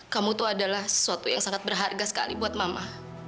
kamu tuh adalah sesuatu yang sangat berharga sekali buat mama